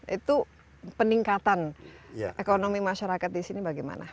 itu peningkatan ekonomi masyarakat di sini bagaimana